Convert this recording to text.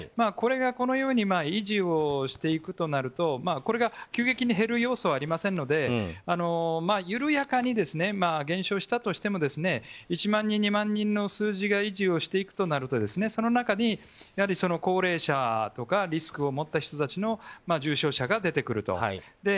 これがこのように維持をしていくとなるとこれが急激に減る要素はありませんので緩やかに減少したとしても１万人、２万人の数字が維持をしていくとなるとその中に高齢者とかリスクを持った人たちの重症者が出てくると。